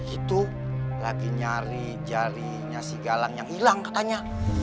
itu lagi nyari jarinya si galang yang hilang katanya